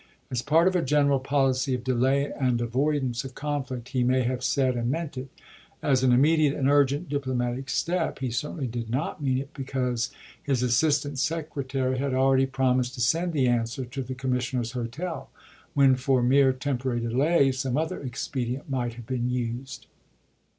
As ms. part of a general policy of delay and avoidance of conflict he may have said and meant it ; as an im mediate and urgent diplomatic step he certainly did not mean it, because his Assistant Secretary had already promised to send the answer to the commissioners' hotel, when for mere temporary delay some other expedient might have been used.